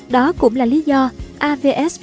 đó cũng là một lý do tại sao simunov được đưa vào sử dụng